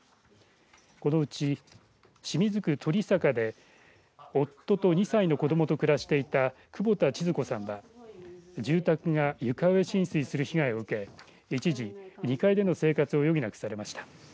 このうち清水区鳥坂で夫と２歳の子どもと暮らしていた久保田千津子さんは住宅が床上浸水する被害を受け一時２階での生活を余儀なくされました。